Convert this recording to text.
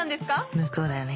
向こうだよね